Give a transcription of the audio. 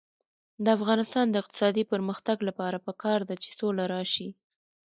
د افغانستان د اقتصادي پرمختګ لپاره پکار ده چې سوله راشي.